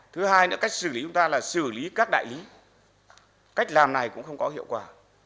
thứ hai nữa cách xử lý chúng ta là xử lý các đại lý cách làm này cũng không có hiệu quả